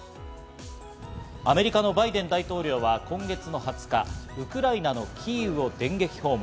アメリカのバイデン大統領は今月２０日、ウクライナのキーウを電撃訪問。